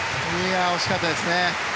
惜しかったですね。